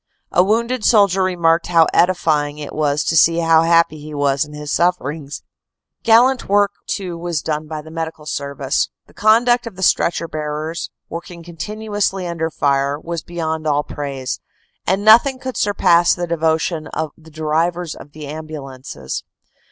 A wounded soldier remarked how edifying it was to see how happy he was in his sufferings. Gallant work too was done by the Medical Service. The conduct of the stretcher bearers, working continuously under fire, was beyond all praise, and nothing could surpass the devo tion of the drivers of the ambulances.